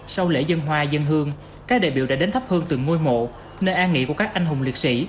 sau lễ dân hoa dân hương các đại biểu đã đến thắp hương từng ngôi mộ nơi an nghỉ của các anh hùng liệt sĩ